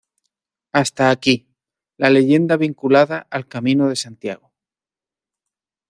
Hasta aquí, la leyenda vinculada al camino de Santiago.